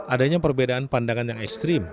adanya perbedaan pandangan yang ekstrim